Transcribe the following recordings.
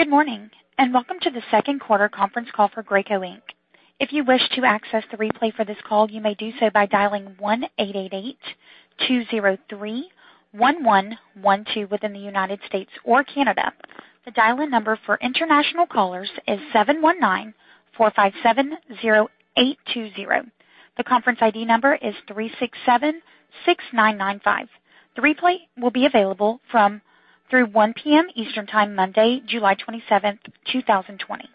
Good morning, and welcome to the second quarter conference call for Graco Inc. If you wish to access the replay for this call, you may do so by dialing 1-888-203-1112 within the United States or Canada. The dial-in number for international callers is 719-457-0820. The conference ID number is 367-6995. The replay will be available from 1:00 P.M. Eastern Time Monday, July 27th, 2020.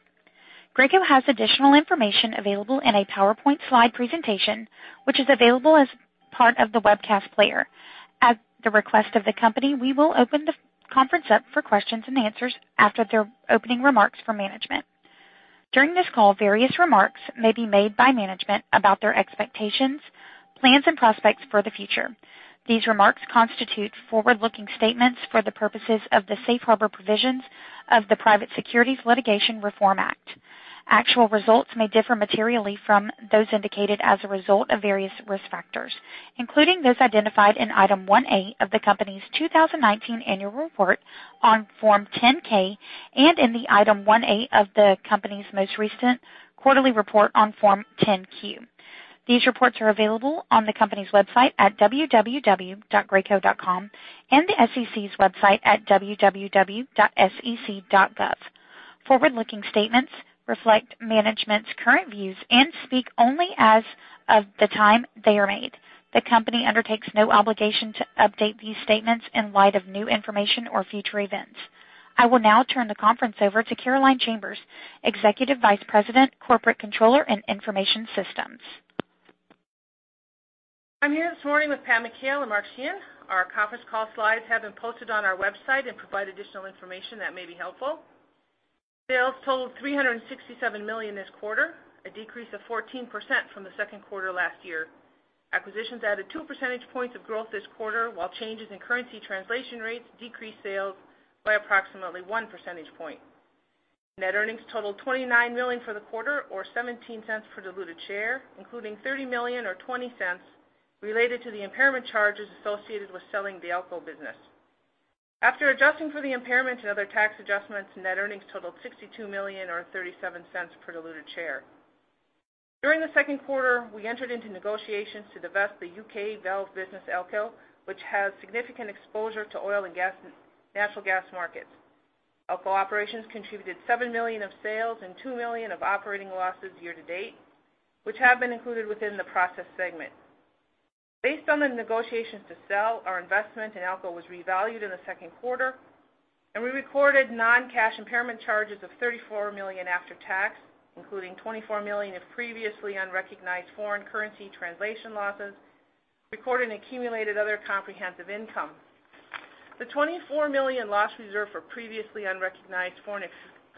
Graco has additional information available in a PowerPoint slide presentation, which is available as part of the webcast player. At the request of the company, we will open the conference up for questions and answers after their opening remarks for management. During this call, various remarks may be made by management about their expectations, plans, and prospects for the future. These remarks constitute forward-looking statements for the purposes of the Safe Harbor Provisions of the Private Securities Litigation Reform Act. Actual results may differ materially from those indicated as a result of various risk factors, including those identified in Item 1A of the company's 2019 annual report on Form 10-K and in Item 1A of the company's most recent quarterly report on Form 10-Q. These reports are available on the company's website at www.graco.com and the SEC's website at www.sec.gov. Forward-looking statements reflect management's current views and speak only as of the time they are made. The company undertakes no obligation to update these statements in light of new information or future events. I will now turn the conference over to Caroline Chambers, Executive Vice President, Corporate Controller and Information Systems. I'm here this morning with Pat McHale and Mark Sheahan. Our conference call slides have been posted on our website and provide additional information that may be helpful. Sales totaled $367 million this quarter, a decrease of 14% from the second quarter last year. Acquisitions added 2 percentage points of growth this quarter, while changes in currency translation rates decreased sales by approximately 1 percentage point. Net earnings totaled $29 million for the quarter, or $0.17 per diluted share, including $30 million or $0.20 related to the impairment charges associated with selling the Alco business. After adjusting for the impairment and other tax adjustments, net earnings totaled $62 million or $0.37 per diluted share. During the second quarter, we entered into negotiations to divest the U.K. valve business Alco, which has significant exposure to oil and natural gas markets. Alco operations contributed $7 million of sales and $2 million of operating losses year to date, which have been included within the Process segment. Based on the negotiations to sell, our investment in Alco was revalued in the second quarter, and we recorded non-cash impairment charges of $34 million after tax, including $24 million of previously unrecognized foreign currency translation losses, recorded in accumulated other comprehensive income. The $24 million loss reserve for previously unrecognized foreign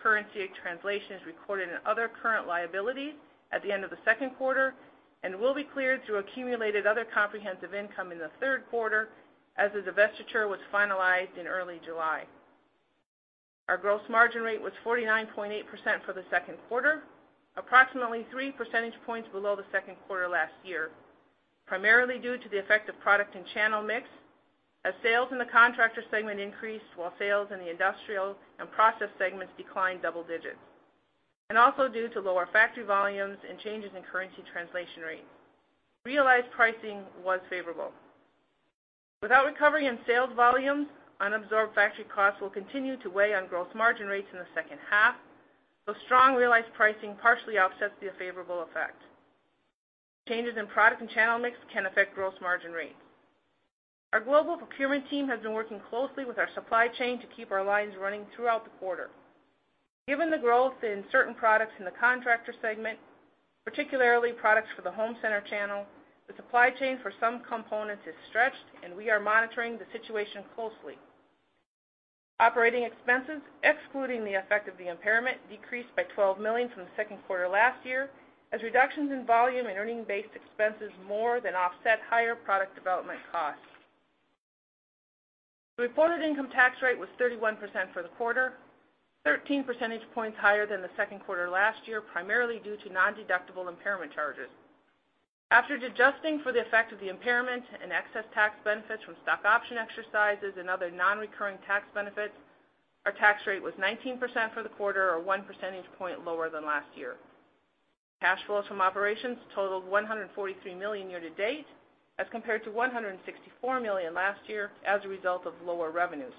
currency translation is recorded in other current liabilities at the end of the second quarter and will be cleared through accumulated other comprehensive income in the third quarter, as the divestiture was finalized in early July. Our gross margin rate was 49.8% for the second quarter, approximately 3 percentage points below the second quarter last year, primarily due to the effect of product and channel mix, as sales in the contractor segment increased while sales in the industrial and process segments declined double digits, and also due to lower factory volumes and changes in currency translation rates. Realized pricing was favorable. Without recovery in sales volumes, unabsorbed factory costs will continue to weigh on gross margin rates in the second half, though strong realized pricing partially offsets the favorable effect. Changes in product and channel mix can affect gross margin rates. Our global procurement team has been working closely with our supply chain to keep our lines running throughout the quarter. Given the growth in certain products in the Contractor segment, particularly products for the home center channel, the supply chain for some components is stretched, and we are monitoring the situation closely. Operating expenses, excluding the effect of the impairment, decreased by $12 million from the second quarter last year, as reductions in volume and earning-based expenses more than offset higher product development costs. The reported income tax rate was 31% for the quarter, 13 percentage points higher than the second quarter last year, primarily due to non-deductible impairment charges. After adjusting for the effect of the impairment and excess tax benefits from stock option exercises and other non-recurring tax benefits, our tax rate was 19% for the quarter, or 1 percentage point lower than last year. Cash flows from operations totaled $143 million year to date, as compared to $164 million last year as a result of lower revenues.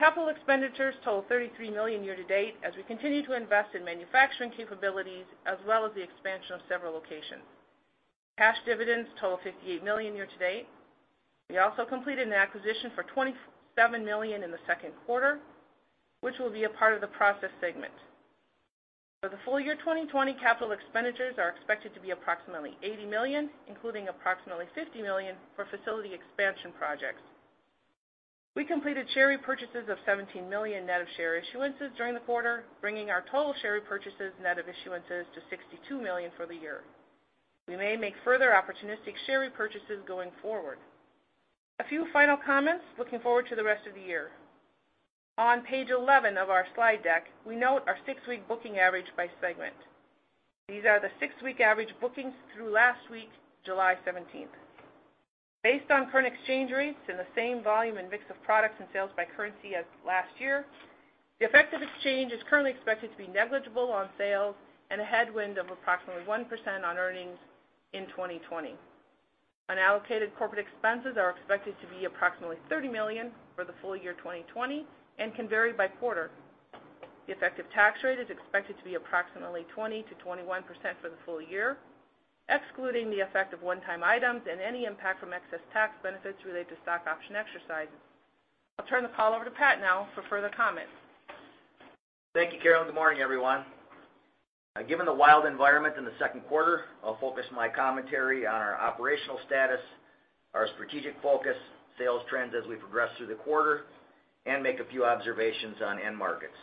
Capital expenditures totaled $33 million year to date, as we continue to invest in manufacturing capabilities as well as the expansion of several locations. Cash dividends totaled $58 million year to date. We also completed an acquisition for $27 million in the second quarter, which will be a part of the process segment. For the full year 2020, capital expenditures are expected to be approximately $80 million, including approximately $50 million for facility expansion projects. We completed share repurchases of $17 million net of share issuances during the quarter, bringing our total share repurchases net of issuances to $62 million for the year. We may make further opportunistic share repurchases going forward. A few final comments, looking forward to the rest of the year. On page 11 of our slide deck, we note our six-week booking average by segment. These are the six-week average bookings through last week, July 17th. Based on current exchange rates and the same volume and mix of products and sales by currency as last year, the effective exchange is currently expected to be negligible on sales and a headwind of approximately 1% on earnings in 2020. Unallocated corporate expenses are expected to be approximately $30 million for the full year 2020 and can vary by quarter. The effective tax rate is expected to be approximately 20%-21% for the full year, excluding the effect of one-time items and any impact from excess tax benefits related to stock option exercises. I'll turn the call over to Pat now for further comments. Thank you, Caroline. Good morning, everyone. Given the wild environment in the second quarter, I'll focus my commentary on our operational status, our strategic focus, sales trends as we progress through the quarter, and make a few observations on end markets.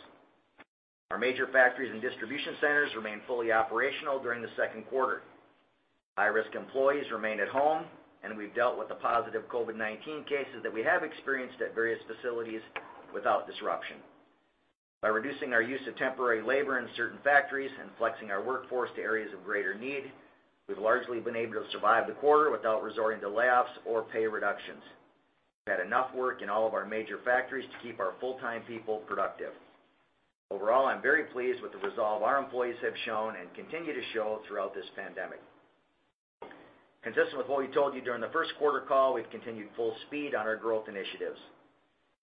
Our major factories and distribution centers remain fully operational during the second quarter. High-risk employees remain at home, and we've dealt with the positive COVID-19 cases that we have experienced at various facilities without disruption. By reducing our use of temporary labor in certain factories and flexing our workforce to areas of greater need, we've largely been able to survive the quarter without resorting to layoffs or pay reductions. We've had enough work in all of our major factories to keep our full-time people productive. Overall, I'm very pleased with the resolve our employees have shown and continue to show throughout this pandemic. Consistent with what we told you during the first quarter call, we've continued full speed on our growth initiatives.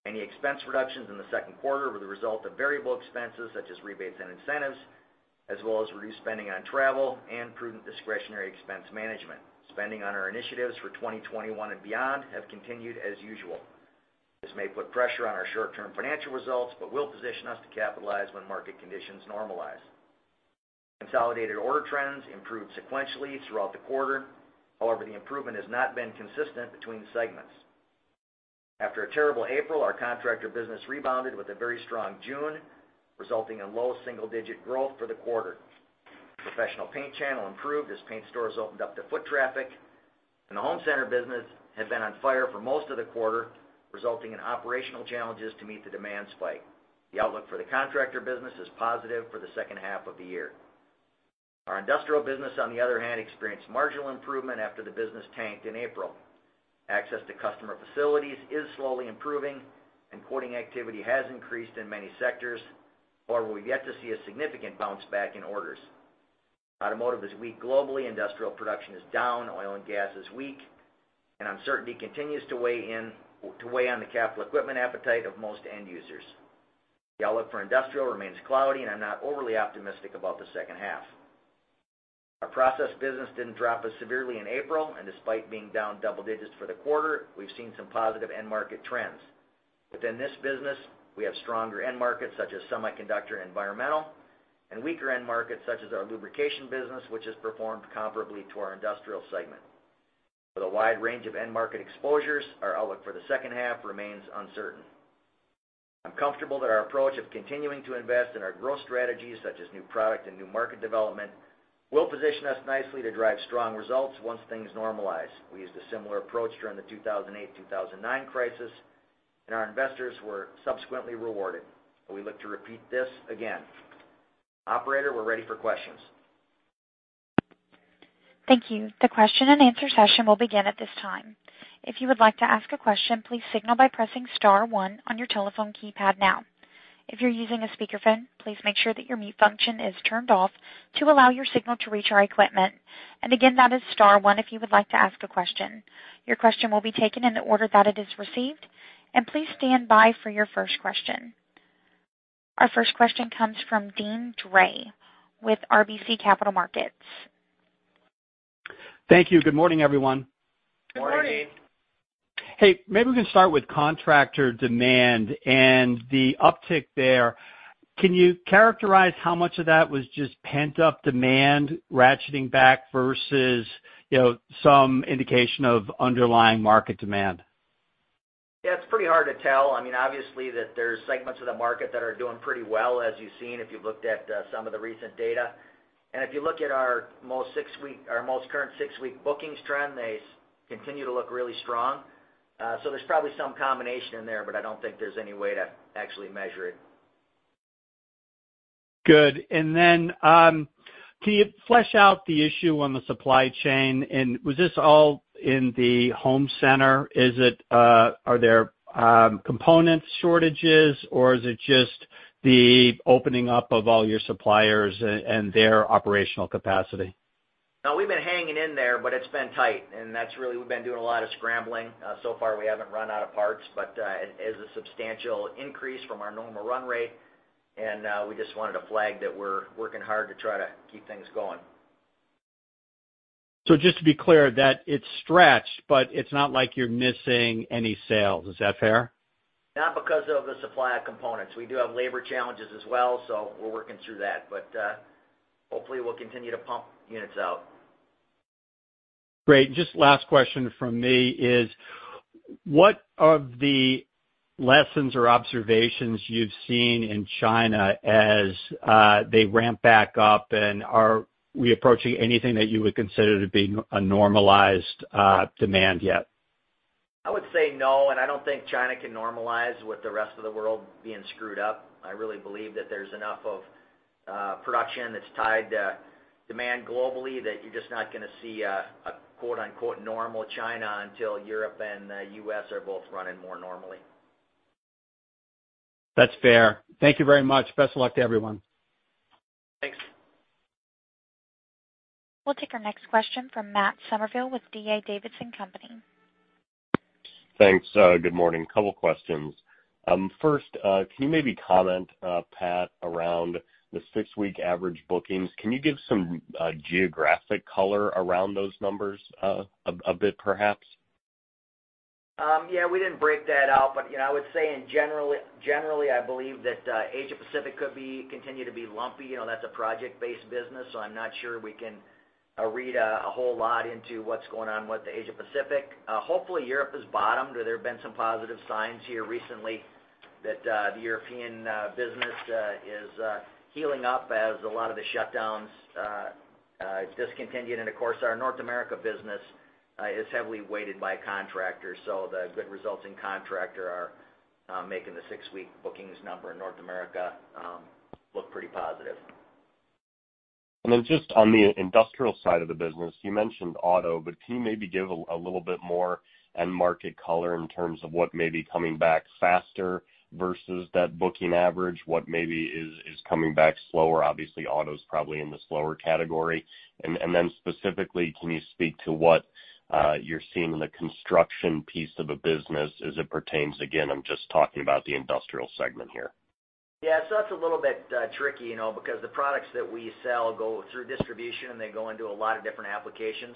Any expense reductions in the second quarter were the result of variable expenses such as rebates and incentives, as well as reduced spending on travel and prudent discretionary expense management. Spending on our initiatives for 2021 and beyond have continued as usual. This may put pressure on our short-term financial results, but will position us to capitalize when market conditions normalize. Consolidated order trends improved sequentially throughout the quarter. However, the improvement has not been consistent between segments. After a terrible April, our contractor business rebounded with a very strong June, resulting in low single-digit growth for the quarter. Professional paint channel improved as paint stores opened up to foot traffic, and the home center business had been on fire for most of the quarter, resulting in operational challenges to meet the demand spike. The outlook for the contractor business is positive for the second half of the year. Our industrial business, on the other hand, experienced marginal improvement after the business tanked in April. Access to customer facilities is slowly improving, and quoting activity has increased in many sectors. However, we've yet to see a significant bounce back in orders. Automotive is weak globally. Industrial production is down. Oil and gas is weak, and uncertainty continues to weigh on the capital equipment appetite of most end users. The outlook for industrial remains cloudy, and I'm not overly optimistic about the second half. Our process business didn't drop as severely in April, and despite being down double digits for the quarter, we've seen some positive end market trends. Within this business, we have stronger end markets such as semiconductor and environmental, and weaker end markets such as our lubrication business, which has performed comparably to our industrial segment. With a wide range of end market exposures, our outlook for the second half remains uncertain. I'm comfortable that our approach of continuing to invest in our growth strategies, such as new product and new market development, will position us nicely to drive strong results once things normalize. We used a similar approach during the 2008-2009 crisis, and our investors were subsequently rewarded. We look to repeat this again. Operator, we're ready for questions. Thank you. The question-and-answer session will begin at this time. If you would like to ask a question, please signal by pressing star one on your telephone keypad now. If you're using a speakerphone, please make sure that your mute function is turned off to allow your signal to reach our equipment. And again, that is star one if you would like to ask a question. Your question will be taken in the order that it is received, and please stand by for your first question. Our first question comes from Deane Dray with RBC Capital Markets. Thank you. Good morning, everyone. Good morning. Hey, maybe we can start with contractor demand and the uptick there. Can you characterize how much of that was just pent-up demand ratcheting back versus some indication of underlying market demand? Yeah, it's pretty hard to tell. I mean, obviously, there are segments of the market that are doing pretty well, as you've seen if you've looked at some of the recent data. And if you look at our most current six-week bookings trend, they continue to look really strong. So there's probably some combination in there, but I don't think there's any way to actually measure it. Good. And then can you flesh out the issue on the supply chain? And was this all in the home center? Are there component shortages, or is it just the opening up of all your suppliers and their operational capacity? No, we've been hanging in there, but it's been tight, and that's really, we've been doing a lot of scrambling, so far, we haven't run out of parts, but it is a substantial increase from our normal run rate, and we just wanted to flag that we're working hard to try to keep things going. So just to be clear, that it's stretched, but it's not like you're missing any sales. Is that fair? Not because of the supply of components. We do have labor challenges as well, so we're working through that. But hopefully, we'll continue to pump units out. Great. Just last question from me is, what are the lessons or observations you've seen in China as they ramp back up, and are we approaching anything that you would consider to be a normalized demand yet? I would say no, and I don't think China can normalize with the rest of the world being screwed up. I really believe that there's enough of production that's tied to demand globally that you're just not going to see a "normal China" until Europe and the U.S. are both running more normally. That's fair. Thank you very much. Best of luck to everyone. Thanks. We'll take our next question from Matt Summerville with D.A. Davidson Company. Thanks. Good morning. Couple of questions. First, can you maybe comment, Pat, around the six-week average bookings? Can you give some geographic color around those numbers a bit, perhaps? Yeah, we didn't break that out, but I would say, generally, I believe that Asia-Pacific could continue to be lumpy. That's a project-based business, so I'm not sure we can read a whole lot into what's going on with the Asia-Pacific. Hopefully, Europe has bottomed. There have been some positive signs here recently that the European business is healing up as a lot of the shutdowns discontinued. And of course, our North America business is heavily weighted by contractors, so the good results in contractor are making the six-week bookings number in North America look pretty positive. And then just on the industrial side of the business, you mentioned auto, but can you maybe give a little bit more end market color in terms of what may be coming back faster versus that booking average, what maybe is coming back slower? Obviously, auto is probably in the slower category. And then specifically, can you speak to what you're seeing in the construction piece of the business as it pertains? Again, I'm just talking about the industrial segment here. Yeah, so that's a little bit tricky because the products that we sell go through distribution, and they go into a lot of different applications.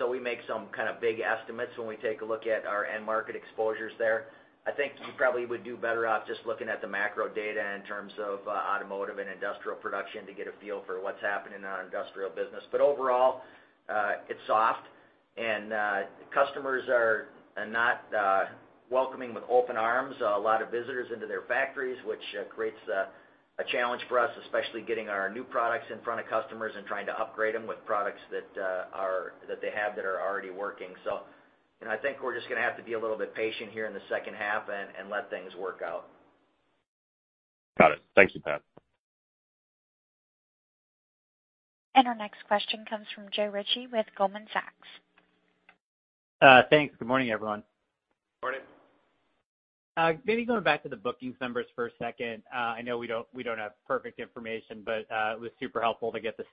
So we make some kind of big estimates when we take a look at our end market exposures there. I think you probably would do better off just looking at the macro data in terms of automotive and industrial production to get a feel for what's happening in our industrial business. But overall, it's soft, and customers are not welcoming with open arms. A lot of visitors into their factories, which creates a challenge for us, especially getting our new products in front of customers and trying to upgrade them with products that they have that are already working. So I think we're just going to have to be a little bit patient here in the second half and let things work out. Got it. Thank you, Pat. Our next question comes from Joe Ritchie with Goldman Sachs. Thanks. Good morning, everyone. Morning. Maybe going back to the bookings numbers for a second, I know we don't have perfect information, but it was super helpful to get the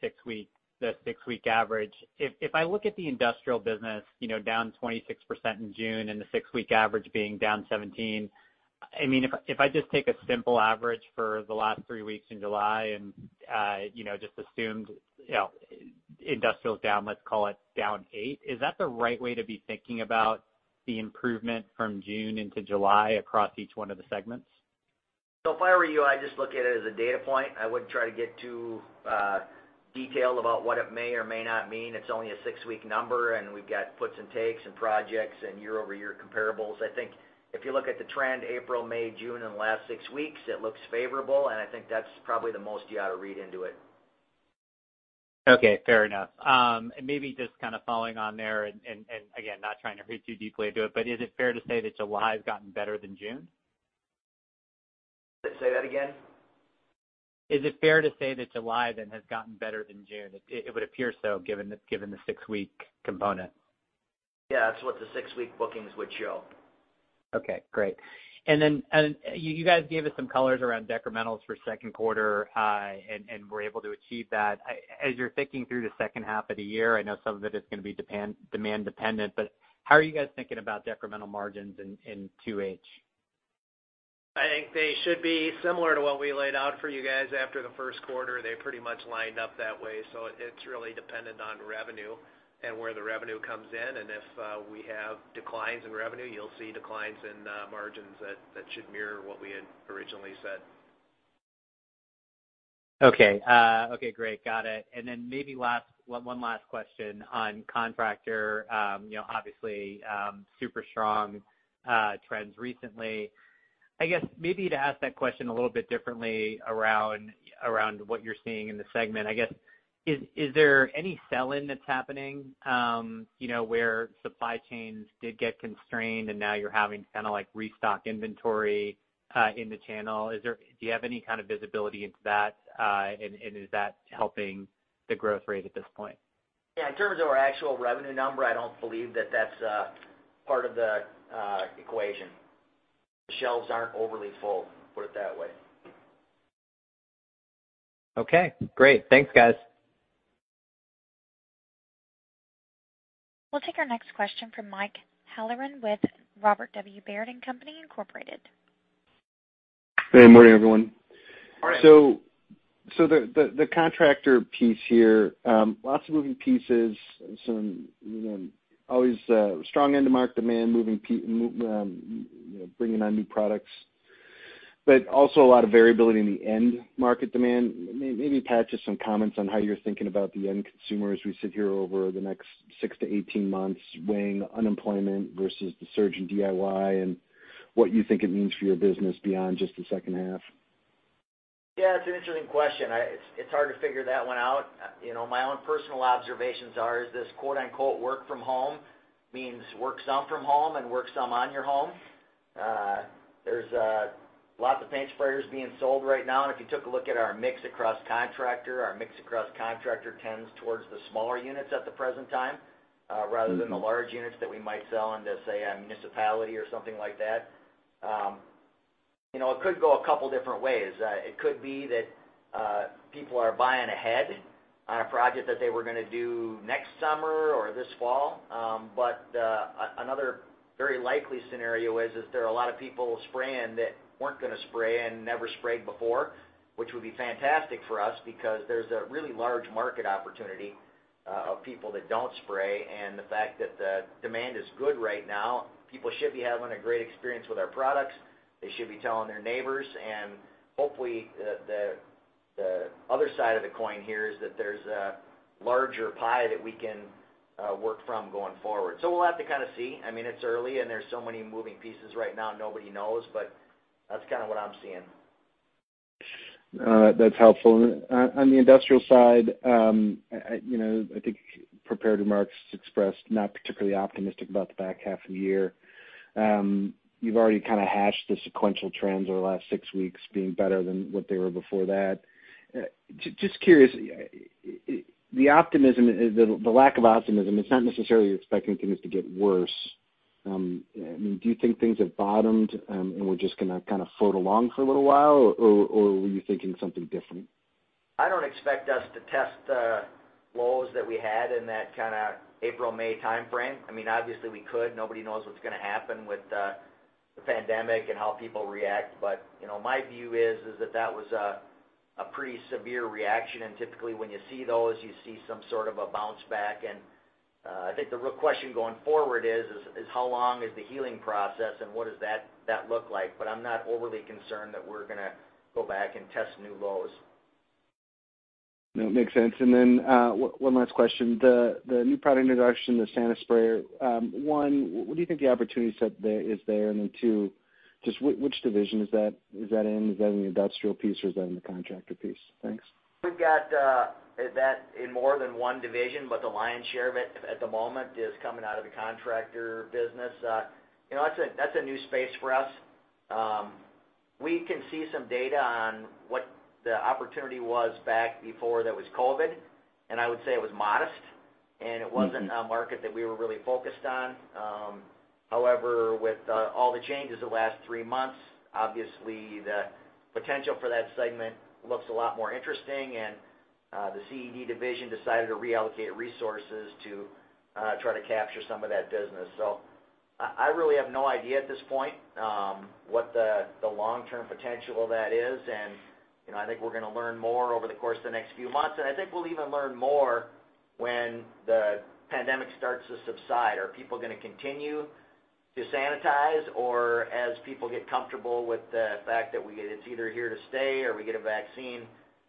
six-week average. If I look at the industrial business down 26% in June and the six-week average being down 17%, I mean, if I just take a simple average for the last three weeks in July and just assumed industrial's down, let's call it down 8%, is that the right way to be thinking about the improvement from June into July across each one of the segments? If I were you, I'd just look at it as a data point. I wouldn't try to get too detailed about what it may or may not mean. It's only a six-week number, and we've got puts and takes and projects and year-over-year comparables. I think if you look at the trend April, May, June, and the last six weeks, it looks favorable, and I think that's probably the most you ought to read into it. Okay. Fair enough. And maybe just kind of following on there and again, not trying to hurt you deeply into it, but is it fair to say that July has gotten better than June? Say that again. Is it fair to say that July then has gotten better than June? It would appear so given the six-week component. Yeah, that's what the six-week bookings would show. Okay. Great. And then you guys gave us some colors around decrementals for second quarter, and we're able to achieve that. As you're thinking through the second half of the year, I know some of it is going to be demand-dependent, but how are you guys thinking about decremental margins in 2H? I think they should be similar to what we laid out for you guys after the first quarter. They pretty much lined up that way. So it's really dependent on revenue and where the revenue comes in. And if we have declines in revenue, you'll see declines in margins that should mirror what we had originally said. Okay. Okay. Great. Got it. And then maybe one last question on contractor, obviously super strong trends recently. I guess maybe to ask that question a little bit differently around what you're seeing in the segment. I guess, is there any sell-in that's happening where supply chains did get constrained, and now you're having to kind of restock inventory in the channel? Do you have any kind of visibility into that, and is that helping the growth rate at this point? Yeah. In terms of our actual revenue number, I don't believe that that's part of the equation. The shelves aren't overly full, put it that way. Okay. Great. Thanks, guys. We'll take our next question from Mike Halloran with Robert W. Baird & Company Incorporated. Good morning, everyone. So the contractor piece here, lots of moving pieces, always strong end-market demand, bringing on new products, but also a lot of variability in the end-market demand. Maybe, Pat, just some comments on how you're thinking about the end consumer as we sit here over the next six to 18 months weighing unemployment versus the surge in DIY and what you think it means for your business beyond just the second half? Yeah, it's an interesting question. It's hard to figure that one out. My own personal observations are this "work from home" means work some from home and work some on your home. There's lots of paint sprayers being sold right now. And if you took a look at our mix across contractor, our mix across contractor tends towards the smaller units at the present time rather than the large units that we might sell into, say, a municipality or something like that. It could go a couple of different ways. It could be that people are buying ahead on a project that they were going to do next summer or this fall. But another very likely scenario is there are a lot of people spraying that weren't going to spray and never sprayed before, which would be fantastic for us because there's a really large market opportunity of people that don't spray. And the fact that the demand is good right now, people should be having a great experience with our products. They should be telling their neighbors. And hopefully, the other side of the coin here is that there's a larger pie that we can work from going forward. So we'll have to kind of see. I mean, it's early, and there's so many moving pieces right now. Nobody knows, but that's kind of what I'm seeing. That's helpful. On the industrial side, I think prepared remarks expressed not particularly optimistic about the back half of the year. You've already kind of matched the sequential trends over the last six weeks being better than what they were before that. Just curious, the optimism, the lack of optimism, it's not necessarily expecting things to get worse. I mean, do you think things have bottomed and we're just going to kind of float along for a little while, or were you thinking something different? I don't expect us to test the lows that we had in that kind of April, May timeframe. I mean, obviously, we could. Nobody knows what's going to happen with the pandemic and how people react. But my view is that that was a pretty severe reaction. And typically, when you see those, you see some sort of a bounce back. And I think the real question going forward is, how long is the healing process, and what does that look like? But I'm not overly concerned that we're going to go back and test new lows. That makes sense. And then one last question. The new product introduction, the SaniSpray, one, what do you think the opportunity is there? And then two, just which division is that in? Is that in the industrial piece, or is that in the contractor piece? Thanks. We've got that in more than one division, but the lion's share of it at the moment is coming out of the contractor business. That's a new space for us. We can see some data on what the opportunity was back before that was COVID, and I would say it was modest, and it wasn't a market that we were really focused on. However, with all the changes the last three months, obviously, the potential for that segment looks a lot more interesting, and the CED division decided to reallocate resources to try to capture some of that business. So I really have no idea at this point what the long-term potential of that is. And I think we're going to learn more over the course of the next few months. And I think we'll even learn more when the pandemic starts to subside. Are people going to continue to sanitize, or as people get comfortable with the fact that it's either here to stay or we get a vaccine,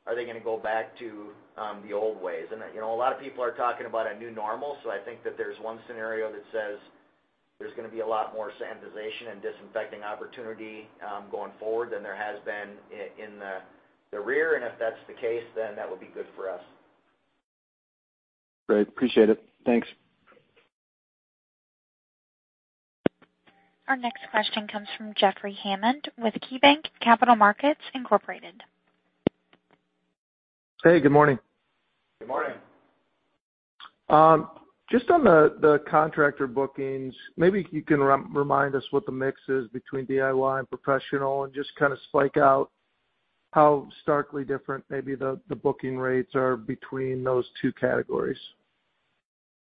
are they going to go back to the old ways? And a lot of people are talking about a new normal. So I think that there's one scenario that says there's going to be a lot more sanitization and disinfecting opportunity going forward than there has been in the rear. And if that's the case, then that would be good for us. Great. Appreciate it. Thanks. Our next question comes from Jeffrey Hammond with KeyBanc Capital Markets Incorporated. Hey, good morning. Good morning. Just on the contractor bookings, maybe you can remind us what the mix is between DIY and professional and just kind of break out how starkly different maybe the booking rates are between those two categories?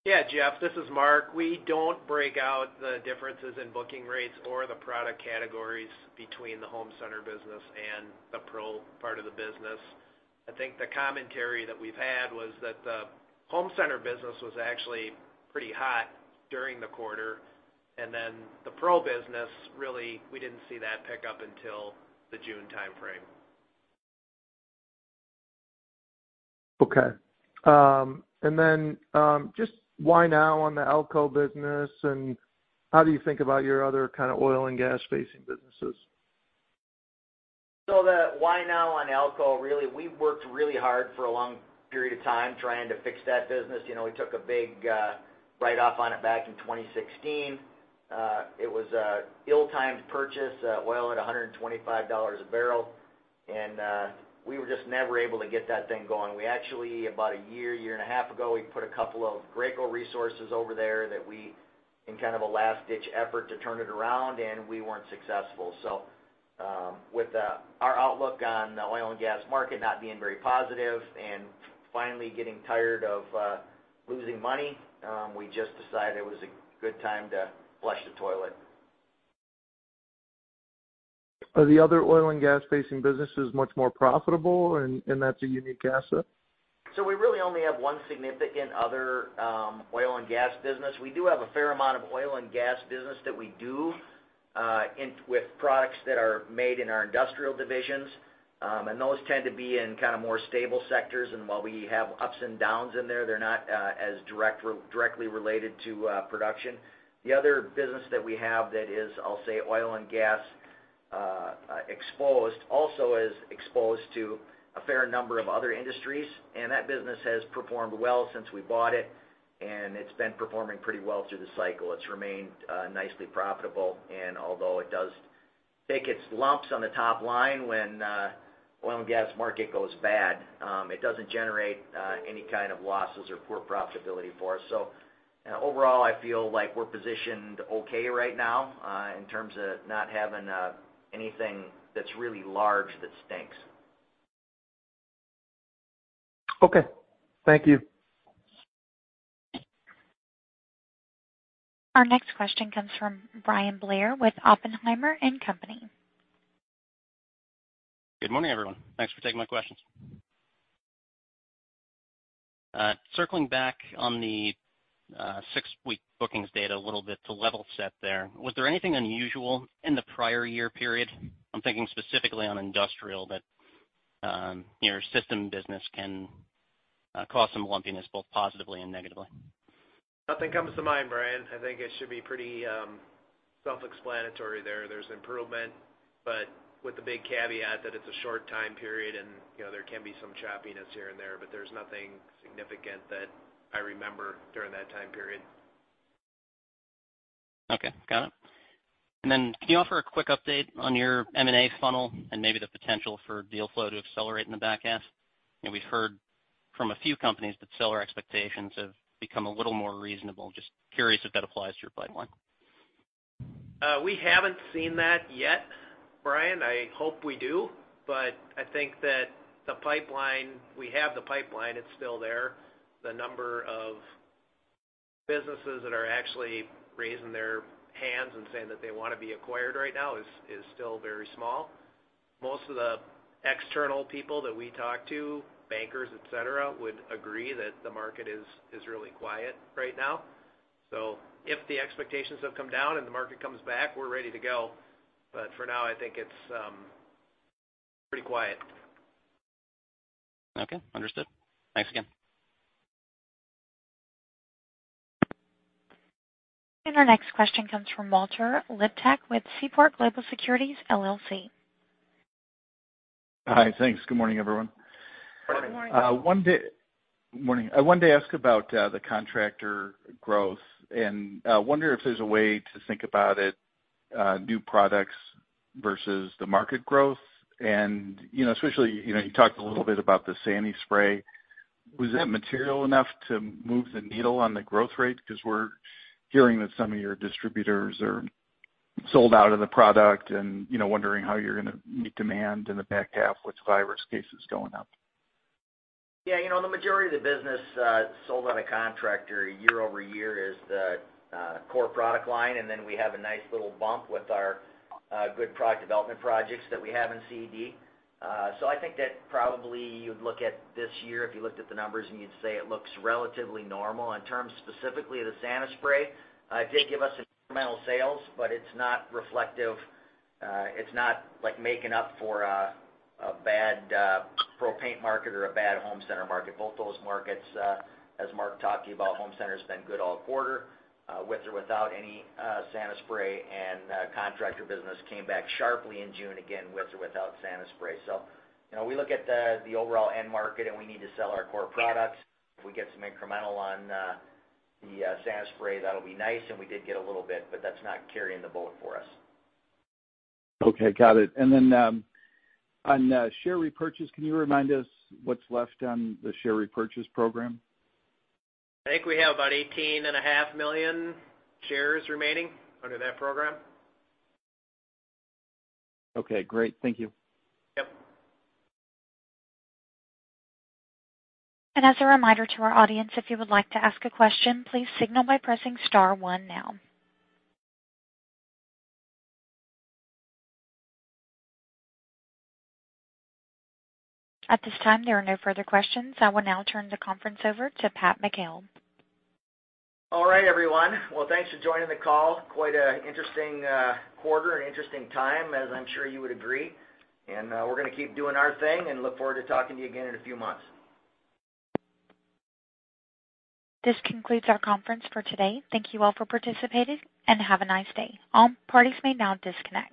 Yeah, Jeff, this is Mark. We don't break out the differences in booking rates or the product categories between the home center business and the pro part of the business. I think the commentary that we've had was that the home center business was actually pretty hot during the quarter, and then the pro business, really, we didn't see that pick up until the June timeframe. Okay, and then just why now on the Alco business, and how do you think about your other kind of oil and gas-facing businesses? So the why now on Alco, really, we worked really hard for a long period of time trying to fix that business. We took a big write-off on it back in 2016. It was an ill-timed purchase, oil at $125 a barrel. And we were just never able to get that thing going. We actually, about a year, year and a half ago, we put a couple of Graco resources over there in kind of a last-ditch effort to turn it around, and we weren't successful. So with our outlook on the oil and gas market not being very positive and finally getting tired of losing money, we just decided it was a good time to flush the toilet. Are the other oil and gas-facing businesses much more profitable, and that's a unique asset? We really only have one significant other oil and gas business. We do have a fair amount of oil and gas business that we do with products that are made in our industrial divisions. Those tend to be in kind of more stable sectors. While we have ups and downs in there, they're not as directly related to production. The other business that we have that is, I'll say, oil and gas exposed also is exposed to a fair number of other industries. That business has performed well since we bought it, and it's been performing pretty well through the cycle. It's remained nicely profitable. Although it does take its lumps on the top line when the oil and gas market goes bad, it doesn't generate any kind of losses or poor profitability for us. So overall, I feel like we're positioned okay right now in terms of not having anything that's really large that stinks. Okay. Thank you. Our next question comes from Bryan Blair with Oppenheimer & Company. Good morning, everyone. Thanks for taking my questions. Circling back on the six-week bookings data a little bit to level set there, was there anything unusual in the prior year period? I'm thinking specifically on industrial that your system business can cause some lumpiness, both positively and negatively. Nothing comes to mind, Bryan. I think it should be pretty self-explanatory there. There's improvement, but with the big caveat that it's a short time period, and there can be some choppiness here and there, but there's nothing significant that I remember during that time period. Okay. Got it. And then can you offer a quick update on your M&A funnel and maybe the potential for deal flow to accelerate in the back half? We've heard from a few companies that seller expectations have become a little more reasonable. Just curious if that applies to your pipeline. We haven't seen that yet, Bryan. I hope we do, but I think that the pipeline we have. It's still there. The number of businesses that are actually raising their hands and saying that they want to be acquired right now is still very small. Most of the external people that we talk to, bankers, etc., would agree that the market is really quiet right now. So if the expectations have come down and the market comes back, we're ready to go. But for now, I think it's pretty quiet. Okay. Understood. Thanks again. Our next question comes from Walter Liptak with Seaport Global Securities LLC. Hi. Thanks. Good morning, everyone. Good morning. Good morning. I wanted to ask about the contractor growth and wonder if there's a way to think about it, new products versus the market growth. And especially you talked a little bit about the SaniSpray. Was that material enough to move the needle on the growth rate? Because we're hearing that some of your distributors are sold out of the product and wondering how you're going to meet demand in the back half with virus cases going up. Yeah. The majority of the business sold out of contractor year over year is the core product line. And then we have a nice little bump with our good product development projects that we have in CED. So I think that probably you'd look at this year if you looked at the numbers, and you'd say it looks relatively normal. In terms specifically of the SaniSpray, it did give us incremental sales, but it's not reflective. It's not making up for a bad pro paint market or a bad home center market. Both those markets, as Mark talked to you about, home center has been good all quarter with or without any SaniSpray. And the contractor business came back sharply in June again with or without SaniSpray. So we look at the overall end market, and we need to sell our core products. If we get some incremental on the SaniSpray, that'll be nice, and we did get a little bit, but that's not carrying the boat for us. Okay. Got it, and then on share repurchase, can you remind us what's left on the share repurchase program? I think we have about 18.5 million shares remaining under that program. Okay. Great. Thank you. Yep. As a reminder to our audience, if you would like to ask a question, please signal by pressing star one now. At this time, there are no further questions. I will now turn the conference over to Pat McHale. All right, everyone, well, thanks for joining the call. Quite an interesting quarter and interesting time, as I'm sure you would agree, and we're going to keep doing our thing and look forward to talking to you again in a few months. This concludes our conference for today. Thank you all for participating and have a nice day. All parties may now disconnect.